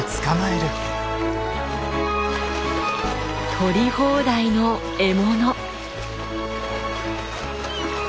取り放題の獲物。